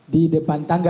di depan tangga